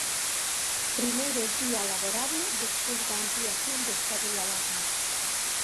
Primeiro día laborable despois da ampliación do estado de alarma.